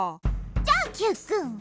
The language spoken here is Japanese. じゃあＱくん